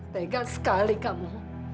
tegas sekali kamu